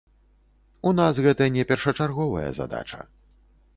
У нас гэта не першачарговая задача.